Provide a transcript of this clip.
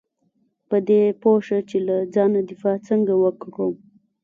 په دې پوه شه چې له ځانه دفاع څنګه وکړم .